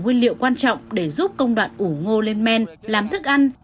nguyên liệu quan trọng để giúp công đoạn ủ ngô lên men làm thức ăn